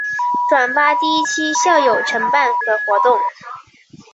转发第一期校友承办的活动